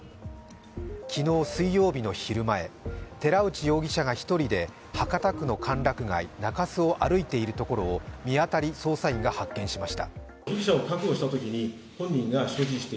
昨日昼前、寺内容疑者が１人で博多区の歓楽街・中州を歩いているところを見当たり捜査員が発見しました。